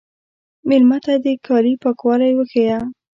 مېلمه ته د کالي پاکوالی وښیه.